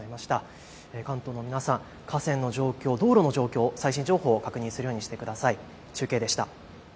関東の皆さん、河川の情報、道路の情報、最新情報を確認するようにしてください。